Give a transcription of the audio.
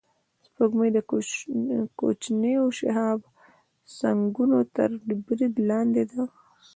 سپوږمۍ د کوچنیو شهابسنگونو تر برید لاندې ده